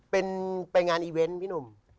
เป็นไปงานอีเวนต์พี่หนุ่ม